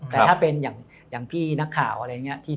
แต่ถ้าเป็นอย่างพี่นักข่าวอะไรอย่างนี้